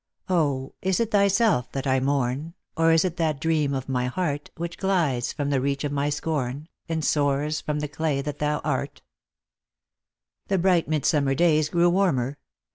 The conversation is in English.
O, is it thyself that I mourn, Or is it that dream of my heart Which glides from the reach of my scorn, And soars from the clay that thou art t " The bright midsummer days grew warmer.